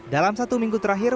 dalam satu minggu terakhir